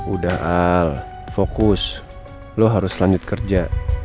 udah al fokus lo harus lanjut kerja